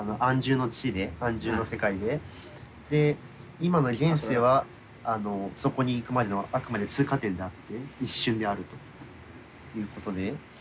今の現世はそこに行くまでのあくまで通過点であって一瞬であるということで。